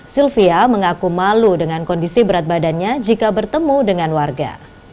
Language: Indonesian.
sylvia mengaku malu dengan kondisi berat badannya jika bertemu dengan warga